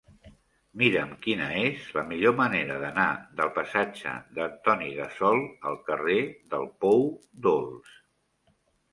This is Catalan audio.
Mira'm quina és la millor manera d'anar del passatge d'Antoni Gassol al carrer del Pou Dolç.